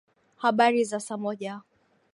Habari za saa moja.